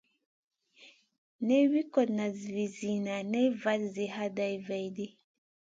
Nen wi kotna vi zida nen vat zi hatna vaidi.